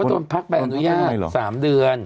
เดินพักไปอนุญาตสามเดือน